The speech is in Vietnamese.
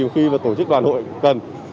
khi tổ chức đoàn hội cần